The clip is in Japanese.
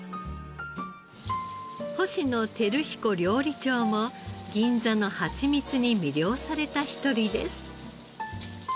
星野晃彦料理長も銀座のハチミツに魅了された一人です。